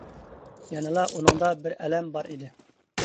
يەنىلا ئۇنىڭدا بىر ئەلەم بار ئىدى.